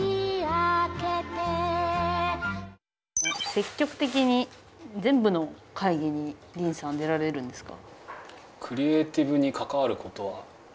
積極的に全部の会議にディーンさん出られるんですか？